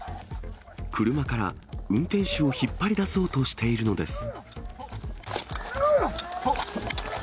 車から運転手を引っ張り出そうとしているのです。